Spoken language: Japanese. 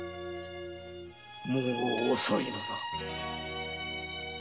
もう遅いのだ！